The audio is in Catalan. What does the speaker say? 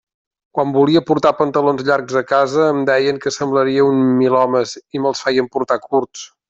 Quan volia portar pantalons llargs a casa em deien que semblaria un milhomes, i me'ls feien portar curts.